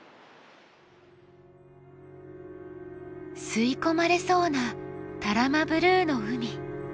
吸い込まれそうな多良間ブルーの海。